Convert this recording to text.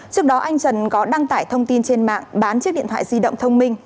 trước đó anh trần có đăng tải thông tin trên mạng bán chiếc điện thoại di động thông minh